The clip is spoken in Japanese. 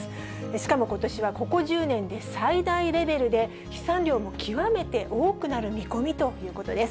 しかもことしはここ１０年で最大レベルで、飛散量も極めて多くなる見込みということです。